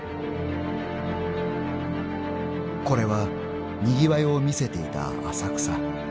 ［これはにぎわいを見せていた浅草］